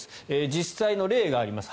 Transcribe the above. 実際の例があります。